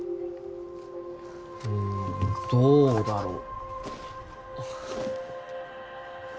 んどうだろう？